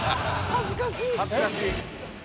恥ずかしい。